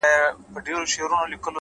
که مي د دې وطن له کاڼي هم کالي څنډلي”